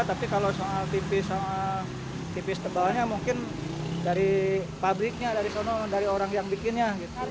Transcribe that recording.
tapi kalau tepis tebalnya mungkin dari pabriknya dari orang yang bikinnya